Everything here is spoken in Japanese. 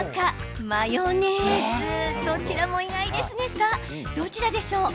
さあ、どちらでしょうか？